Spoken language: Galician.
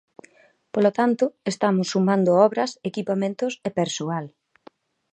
Polo tanto, estamos sumando obras, equipamentos e persoal.